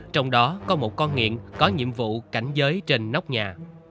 trong đó có một con nghiện có nhiệm vụ cảnh giới trên nóc nhà